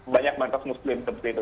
banyak mantas muslim seperti itu